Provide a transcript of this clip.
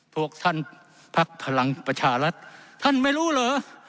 พวกท่านพักพลังประชารัฐท่านไม่รู้เหรอ